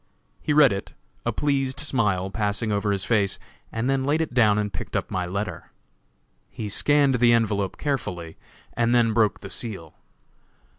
He read it, a pleased smile passing over his face, and then laid it down and picked up my letter. He scanned the envelope carefully and then broke the seal.